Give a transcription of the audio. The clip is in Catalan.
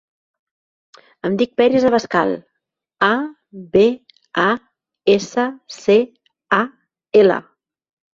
Em dic Peris Abascal: a, be, a, essa, ce, a, ela.